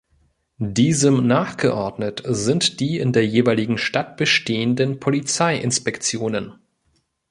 Diesem nachgeordnet sind die in der jeweiligen Stadt bestehenden Polizeiinspektionen.